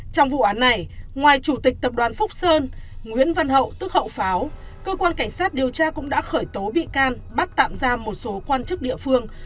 trong vụ án này ngoài chủ tịch tập đoàn phúc sơn nguyễn văn hậu tức hậu pháo cơ quan cảnh sát điều tra cũng đã khởi tố bị can bắt tạm ra một số quan chức địa phương